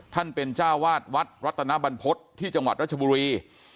ท่านเป็นเจ้าวาดวัดรัตนบรรพฤษที่จังหวัดรัชบุรี